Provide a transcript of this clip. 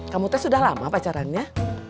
kamu tes udah lama pacarannya